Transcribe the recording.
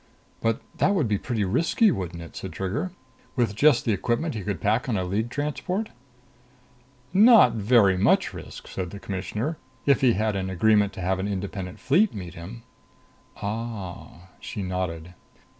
"But that would be pretty risky, wouldn't it?" said Trigger. "With just the equipment he could pack on a League transport." "Not very much risk," said the Commissioner, "if he had an agreement to have an Independent Fleet meet him." "Oh." She nodded.